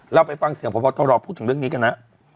เราไปฟังเสียงพบตรพูดถึงเรื่องนี้กันฮะ